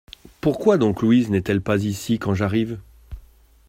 Pourquoi donc Louise n’est-elle pas ici quand j’arrive ?